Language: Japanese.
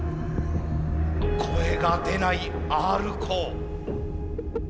声が出ないＲコー。